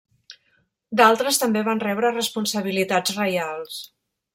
D'altres també van rebre responsabilitats reials.